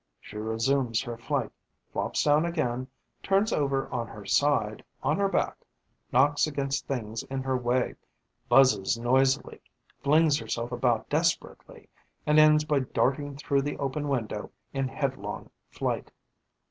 She resumes her flight, flops down again, turns over on her side, on her back, knocks against the things in her way, buzzes noisily, flings herself about desperately and ends by darting through the open window in headlong flight.